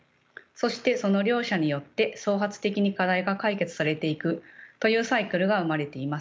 そしてその両者によって創発的に課題が解決されていくというサイクルが生まれています。